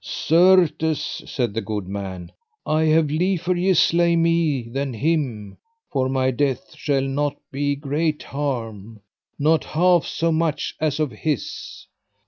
Certes, said the good man, I have liefer ye slay me than him, for my death shall not be great harm, not half so much as of his.